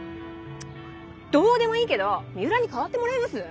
３０？どうでもいいけど三浦に代わってもらえます？